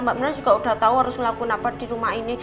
mbak mina juga udah tahu harus ngelakuin apa di rumah ini